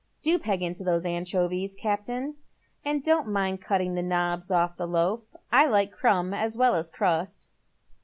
Do peg into those anchovies, captain, and don't mind cutting the knobs off the loaf. I like crumb as well a« crust."